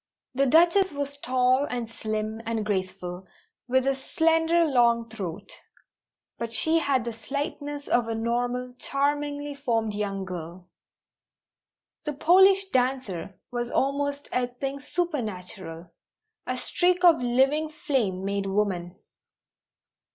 The Duchess was tall and slim and graceful, with a slender, long throat; but she had the slightness of a normal, charmingly formed young girl. The Polish dancer was almost a thing supernatural, a streak of living flame made woman.